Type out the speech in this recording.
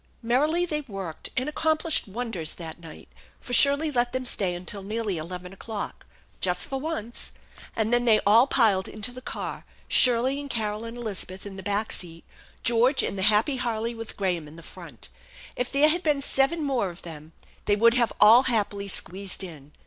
Merrily they worked, and accomplished wonders that night, for Shirley let them stay until nearly eleven o'clock " just for once "; and then they all piled into the car, Shirley and Carol and Elizabeth in the back seat, George and the happy Harley with Graham in the front. If there had been seven more of them, they would have all happily squeezed in.